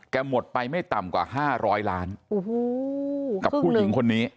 หมดไปไม่ต่ำกว่า๕๐๐ล้านกับผู้หญิงคนนี้